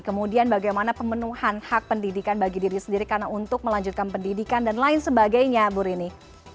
kemudian bagaimana pemenuhan hak pendidikan bagi diri sendiri karena untuk melanjutkan pendidikan dan lain sebagainya bu rini